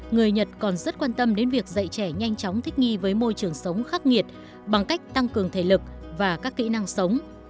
người nhật còn rất quan tâm đến việc dạy trẻ nhanh chóng thích nghi với môi trường sống khắc nghiệt bằng cách tăng cường thể lực và các kỹ năng sống